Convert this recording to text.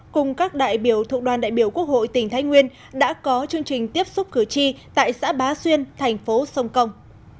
cùng các đại biểu thuộc đoàn đại biểu quốc hội tỉnh thái nguyên đã có chương trình tiếp xúc cử tri tại xã bá xuyên thành phố sông công